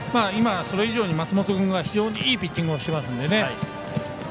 今、それ以上に松本君が非常にいいピッチングしていますのでね。